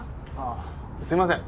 あすいません